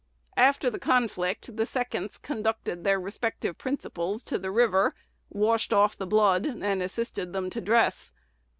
After the conflict, the seconds conducted their respective principals to the river, washed off the blood, and assisted them to dress.